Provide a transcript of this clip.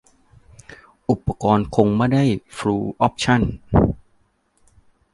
อุปกรณ์คงไม่ได้ฟูลออปชั่น